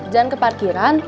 jangan ke parkiran